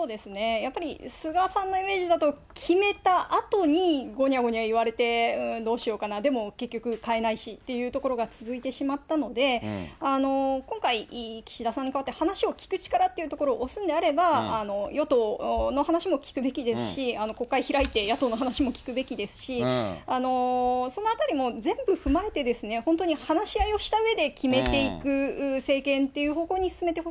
やっぱり、菅さんのイメージだと、決めたあとに、ごにゃごにゃ言われて、うーん、どうしようかな、でも、結局変えないしっていうところが続いてしまったので、今回、岸田さんに代わって、話を聞く力っていうところを押すんであれば、与党の話も聞くべきですし、国会開いて、野党の話も聞くべきですし、そのあたりも全部踏まえてですね、本当に話し合いをしたうえで決めていく政権っていう方向に進めてま